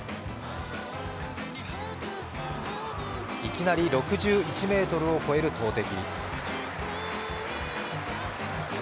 いきなり６１ｍを超える投てき。